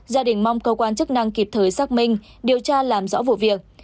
gia đình mong cơ quan chức năng kịp thời xác minh điều tra làm rõ vụ việc